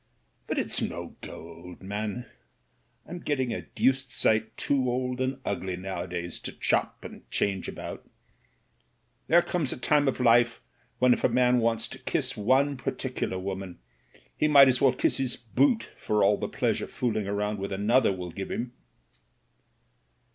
''But it's no go, old man. I'm get ting a deuced sight too old and ugly nowadays to chop and change about There comes a time of life when if a man wants to kiss one particular woman, he might as well kiss his boot for all the pleasure fooling around with another will give him."